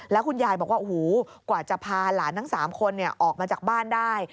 แล้วคุณยายบอกว่าโอ้โหกว่าจะพาหลานทั้ง๓คนออกมาจากบ้านได้